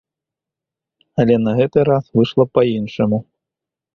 Але на гэты раз выйшла па-іншаму.